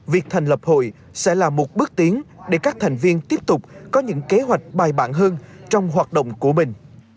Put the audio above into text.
việc thành lập hội sẽ là một bước tiến để các thành viên tiếp tục có những kế hoạch bài bản hơn trong hoạt động của mình